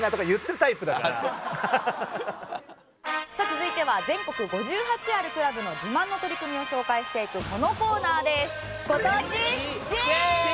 続いては全国５８あるクラブの自慢の取り組みを紹介していくこのコーナーです。